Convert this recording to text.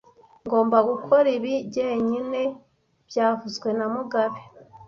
Ngomba gukora ibi njyenyine byavuzwe na mugabe